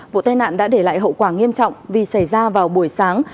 vụ tai nạn đã để lại hậu quả nghiêm trọng vì xảy ra vào buổi sáng